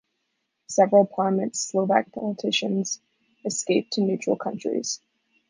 Several prominent Slovak politicians escaped to neutral countries.